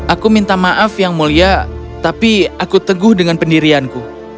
aku minta maaf yang mulia tapi aku teguh dengan pendirianku